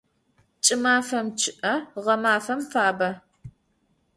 Ç'ımafem ççı'e, ğemafem fabe.